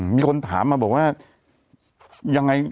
มีคนถามมาบอกว่า